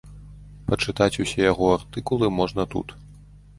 Пачытаць усе яго артыкулы можна тут.